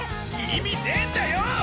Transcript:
意味ねえんだよ！